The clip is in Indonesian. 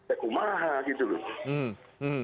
eh kumaha gitu loh